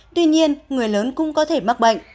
tuy nhiên người lớn cũng có thể mắc bệnh